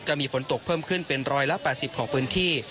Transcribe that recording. จะมีฝนตกเพิ่มขึ้นเป็น๑๘๐ของพื้นที่